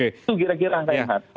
itu kira kira angka yang had